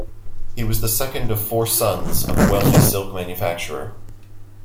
He was the second of four sons of a wealthy silk manufacturer.